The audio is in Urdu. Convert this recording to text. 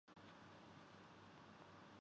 آ گسٹ سپائز ‘ایڈولف فشر اور جارج اینجل کو